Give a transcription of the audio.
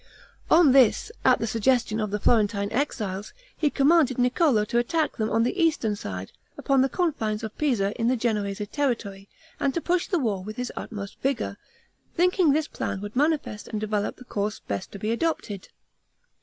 On this, at the suggestion of the Florentine exiles, he commanded Niccolo to attack them on the eastern side, upon the confines of Pisa in the Genoese territory, and to push the war with his utmost vigor, thinking this plan would manifest and develop the course best to be adopted.